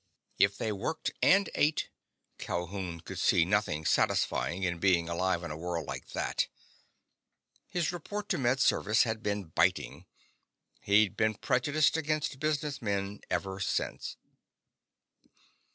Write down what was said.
If they worked and ate,—Calhoun could see nothing satisfying in being alive on a world like that! His report to Med Service had been biting. He'd been prejudiced against businessmen ever since.